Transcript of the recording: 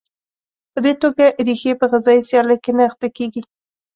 په دې توګه ریښې په غذایي سیالۍ کې نه اخته کېږي.